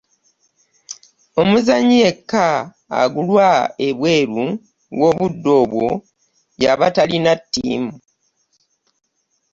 Omuzannyi yekka agulwa ebweru w'obudde obwo y'aba talina ttiimu.